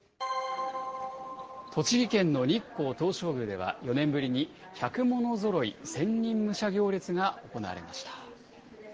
栃木県の日光東照宮では４年ぶりに百物揃千人武者行列が行われました。